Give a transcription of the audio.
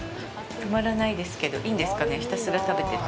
止まらないですけどいいんですかね、ひたすら食べてて。